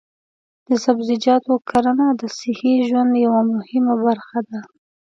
د سبزیجاتو کرنه د صحي ژوند یوه مهمه برخه ده.